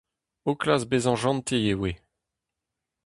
O klask bezañ jentil e oa.